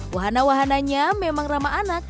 wahana wahananya memang ramah anak